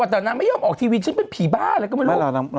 แต่นางไม่ยอมออกทีวีฉันเป็นผีบ้าอะไรก็ไม่รู้